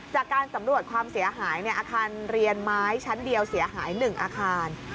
จากการสำรวจความเสียหายอาคารเรียนไม้ชั้นเดียวเสียหาย๑อาคาร